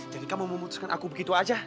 jadi kamu memutuskan aku begitu aja